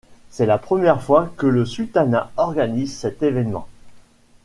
C'est la première fois que le sultanat organise cet événement.